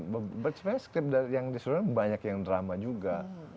sebenarnya script yang disodorkan banyak yang drama juga